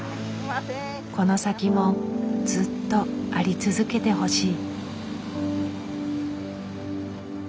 この先もずっとあり続けてほしい。